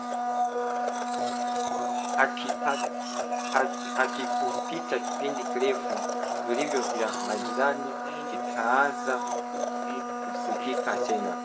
Hakikupita kipindi kirefu vilio vya majirani vikaanza kusikika tena